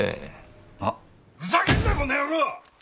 ふざけんなこの野郎！